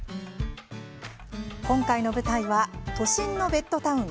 今回の舞台は都心のベッドタウン